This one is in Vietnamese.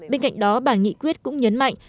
bên cạnh đó bản nghị quyết cũng nhấn mạnh